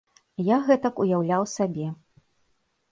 Я гэтак уяўляў сабе.